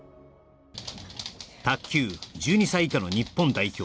卓球１２歳以下の日本代表